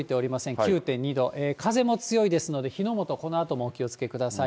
９．２度、風も強いですので火の元、このあともお気をつけください。